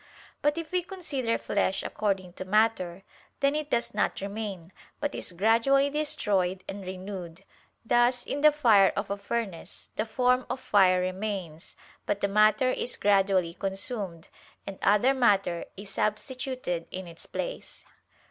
But if we consider flesh according to matter, then it does not remain, but is gradually destroyed and renewed: thus in the fire of a furnace, the form of fire remains, but the matter is gradually consumed, and other matter is substituted in its place.